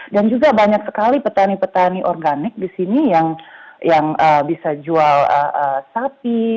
dan juga banyak sekali petani petani organik di sini yang bisa jual sapi